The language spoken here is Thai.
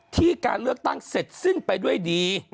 การเลือกตั้งเสร็จสิ้นไปด้วยดี